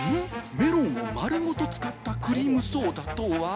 メロンを丸ごと使ったクリームソーダとは？